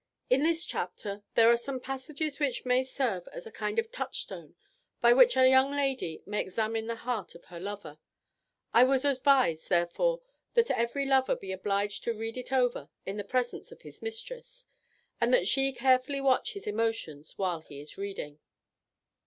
In this chapter there are some passages that may serve as a kind of touchstone by which a young lady may examine the heart of her lover. I would advise, therefore, that every lover be obliged to read it over in the presence of his mistress, and that she carefully watch his emotions while he is reading.